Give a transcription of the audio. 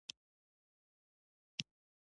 د حیواناتو پاملرنه د عاید زیاتوالي سره مرسته کوي.